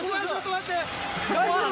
大丈夫？